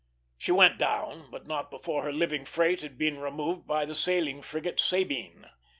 She went down, but not before her living freight had been removed by the sailing frigate Sabine.